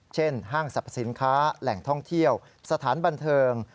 ห้างสรรพสินค้าแหล่งท่องเที่ยวสถานบันเทิง